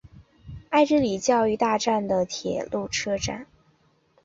爱之里教育大站的铁路车站。